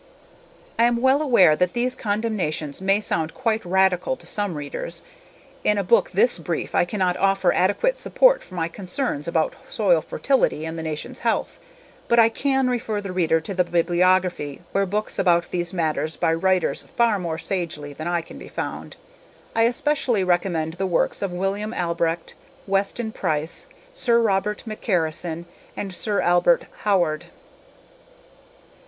I am well aware that these condemnations may sound quite radical to some readers. In a book this brief I cannot offer adequate support for my concerns about soil fertility and the nation's health, but I can refer the reader to the bibliography, where books about these matters by writers far more sagely than I can be found. I especially recommend the works of William Albrecht, Weston Price, Sir Robert McCarrison, and Sir Albert Howard.